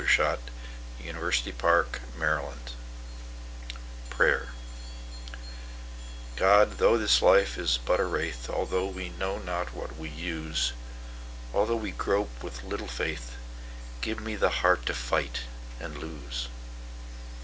Louis Untermeyer1885–1977 Prayer GOD, though this life is but a wraith, Although we know not what we use, Although we grope with little faith, Give me the heart to fight—and lose.